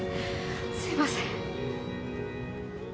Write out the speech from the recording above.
すみません。